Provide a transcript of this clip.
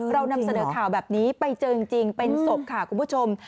เรานำเสนอข่าวแบบนี้ไปเจอจริงเป็นศพค่ะคุณผู้ชม